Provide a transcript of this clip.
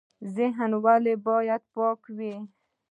ذهن ولې باید پاک وي؟